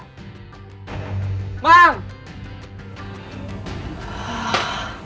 tetep banget langitnya